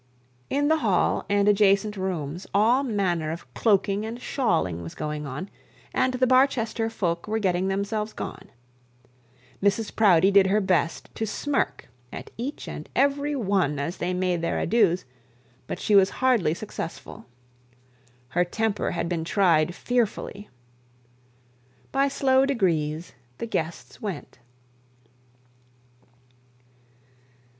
In the hall and adjacent rooms all manner of cloaking and shawling was going on, and the Barchester folk were getting themselves gone. Mrs Proudie did her best to smirk at each and every one, as they made their adieux, but she was hardly successful. Her temper had been tried fearfully. By slow degrees, the guests went.